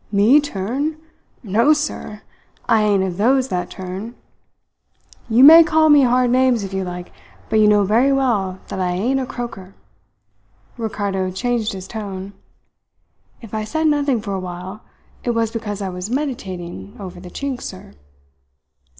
"Me turn? No, sir! I ain't of those that turn. You may call me hard names, if you like, but you know very well that I ain't a croaker." Ricardo changed his tone. "If I said nothing for a while, it was because I was meditating over the Chink, sir."